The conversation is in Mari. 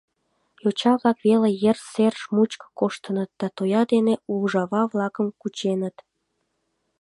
Йоча-влак веле ер сер мучко коштыныт да тоя дене ужава-влакым кученыт.